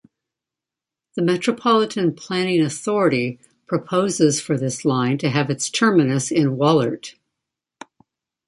The Metropolitan Planning Authority proposes for this line to have its terminus in Wollert.